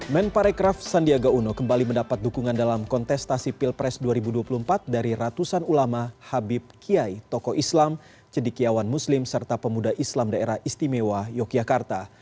men parekraf sandiaga uno kembali mendapat dukungan dalam kontestasi pilpres dua ribu dua puluh empat dari ratusan ulama habib kiai tokoh islam cedikiawan muslim serta pemuda islam daerah istimewa yogyakarta